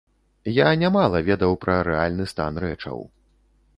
Я нямала ведаў пра рэальны стан рэчаў.